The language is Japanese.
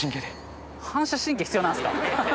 反射神経必要なんですか？